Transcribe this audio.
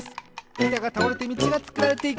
いたがたおれてみちがつくられていく！